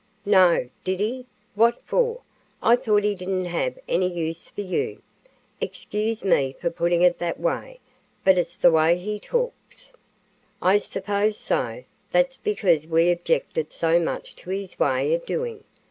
"No, did he? What for? I thought he didn't have any use for you. Excuse me for putting it that way, but it's the way he talks." "I suppose so. That's because we objected so much to his way of doing.